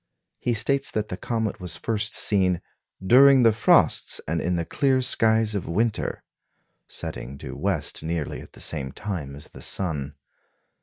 He states that the comet was first seen "during the frosts and in the clear skies of winter," setting due west nearly at the same time as the sun.